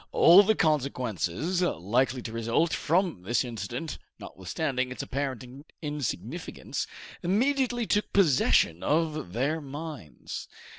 All the consequences likely to result from this incident, notwithstanding its apparent insignificance, immediately took possession of their minds.